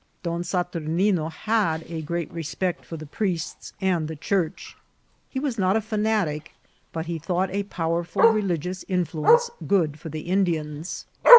Don Satur nino had a great respect for the priests and the Church. He was not a fanatic, but he thought a powerful reli gious influence good for the Indians.